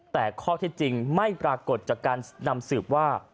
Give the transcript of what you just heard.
แต่ข้อเท็จจริงไม่ปรากฏจากการนำสืบว่า